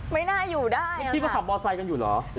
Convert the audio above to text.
ไม่น่าอยู่ได้ไม่คิดว่าขับบอร์ไซช์กันอยู่เหรอ